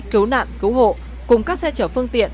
cứu nạn cứu hộ cùng các xe chở phương tiện